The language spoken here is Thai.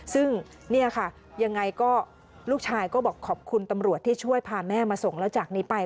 ซึ่งเนี่ยค่ะยังไงก็ลูกชายก็บอกขอบคุณตำรวจที่ช่วยพาแม่มาส่งแล้วจากนี้ไป